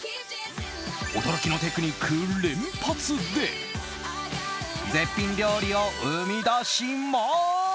驚きのテクニック連発で絶品料理を生み出します。